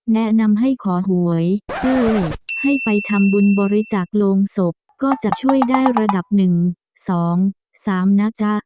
แนะนำให้ขอหวยหรือให้ไปทำบุญบริจักษ์โลงศพก็จะช่วยได้ระดับหนึ่งสองสามนะจ๊ะ